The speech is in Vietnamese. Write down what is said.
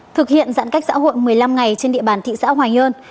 thực hiện giãn cách xã hội một mươi năm ngày trên địa bàn thị xã hoài nhơn